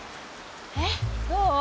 えっどう？